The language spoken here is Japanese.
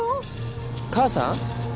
母さん？